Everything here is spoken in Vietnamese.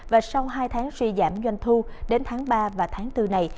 và sau hai tháng suy giảm doanh thu đến tháng ba và tháng bốn này